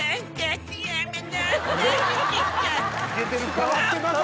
変わってますか？